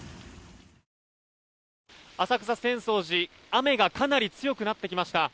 浅草・浅草寺雨がかなり強くなってきました。